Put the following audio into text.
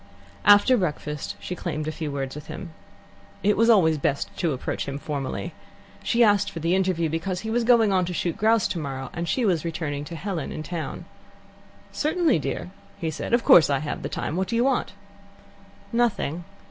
After breakfast she claimed a few words with him. It was always best to approach him formally. She asked for the interview, because he was going on to shoot grouse tomorrow, and she was returning to Helen in town. "Certainly, dear," said he. "Of course, I have the time. What do you want?" "Nothing."